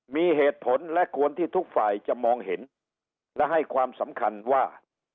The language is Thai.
มีเหตุผลและควรที่ทุกฝ่ายจะมองเห็นและให้ความสำคัญว่า